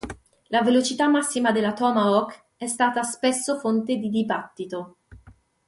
La velocità massima della Tomahawk è stata spesso fonte di dibattito.